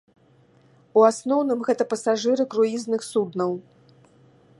У асноўным, гэта пасажыры круізных суднаў.